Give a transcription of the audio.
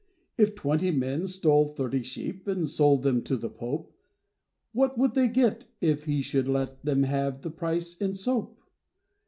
If twenty men stole thirty sheep And sold them to the Pope, What would they get if he should let Them have the price in soap?